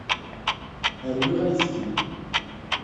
Rwiɣ ayefki.